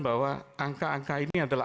bahwa angka angka ini adalah